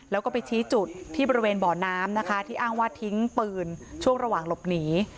แล้วก็ไปชี้จุดที่บริเวณบ่อน้ำนะคะที่อ้างว่าทิ้งปืนช่วงระหว่างหลบหนี